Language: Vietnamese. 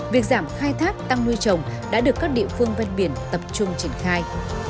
việc giảm khai thác tăng nuôi trồng đã được các địa phương ven biển tập trung triển khai